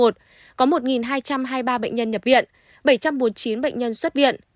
trong ngày hai mươi một một mươi một có một hai trăm hai mươi ba bệnh nhân nhập viện bảy trăm bốn mươi chín bệnh nhân xuất viện